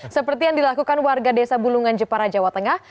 seperti yang dilakukan warga desa bulungan jepara jawa tengah